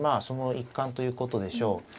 その一環ということでしょう。